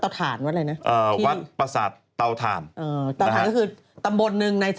จากวัด